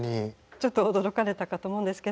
ちょっと驚かれたかと思うんですけど。